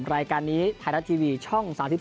รายการนี้ไทยรัฐทีวีช่อง๓๒